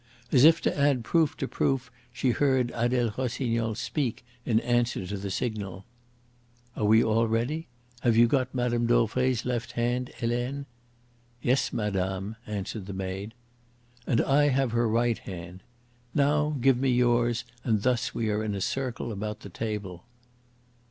As if to add proof to proof, she heard Adele Rossignol speak in answer to the signal. "Are we all ready? Have you got Mme. Dauvray's left hand, Helene?" "Yes, madame," answered the maid. "And I have her right hand. Now give me yours, and thus we are in a circle about the table."